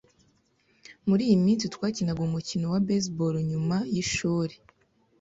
Muri iyo minsi twakinaga umukino wa baseball nyuma yishuri.